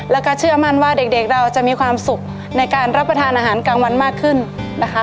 แล้วก็เชื่อมั่นว่าเด็กเราจะมีความสุขในการรับประทานอาหารกลางวันมากขึ้นนะคะ